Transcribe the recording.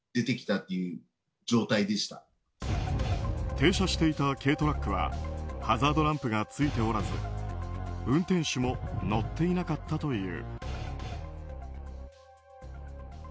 停車していた軽トラックはハザードランプがついておらず運転手も乗っていなかったという。